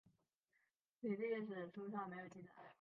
李历史书上没有记载。